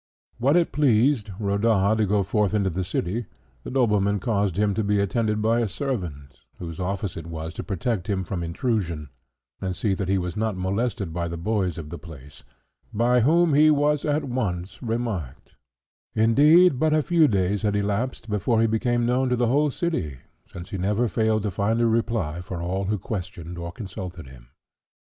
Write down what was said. When it pleased Rodaja to go forth into the city, the nobleman caused him to be attended by a servant, whose office it was to protect him from intrusion, and see that he was not molested by the boys of the place, by whom he was at once remarked; indeed but few days had elapsed before he became known to the whole city, since he never failed to find a reply for all who questioned or consulted him.